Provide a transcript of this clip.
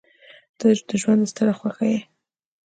• ته د ژونده ستره خوښي یې.